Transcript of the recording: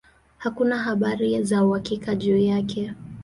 Hakuna habari za uhakika juu yake.